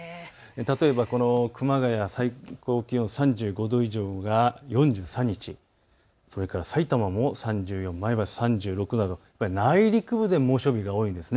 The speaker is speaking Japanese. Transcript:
例えば熊谷、最高気温３５度以上が４３日、さいたまも３４、前橋３６など内陸部で猛暑日が多いんです。